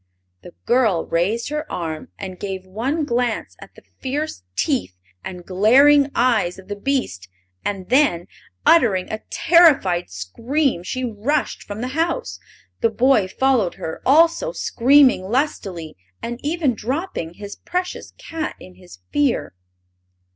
The girl raised her arm and gave one glance at the fierce teeth and glaring eyes of the beast, and then, uttering a terrified scream, she rushed from the house. The boy followed her, also screaming lustily, and even dropping his precious cat in his fear.